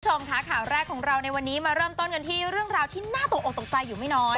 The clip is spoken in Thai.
คุณผู้ชมค่ะข่าวแรกของเราในวันนี้มาเริ่มต้นกันที่เรื่องราวที่น่าตกออกตกใจอยู่ไม่น้อย